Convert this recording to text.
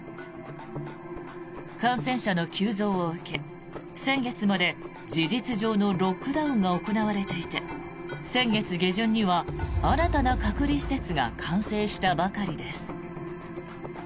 感染者の急増を受け先月まで事実上のロックダウンが行われていて先月下旬には、新たな隔離施設が完成したばかりです。